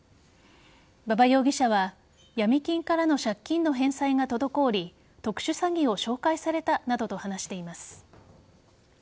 馬場容疑者はヤミ金からの借金の返済が滞り特殊詐欺を紹介されたなどと話しています。